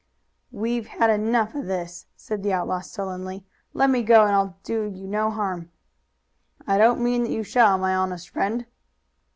"We've had enough of this," said the outlaw sullenly. "Let me go and I'll do you no harm." "I don't mean that you shall, my honest friend."